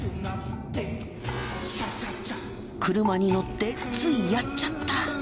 車に乗ってついやっちゃった。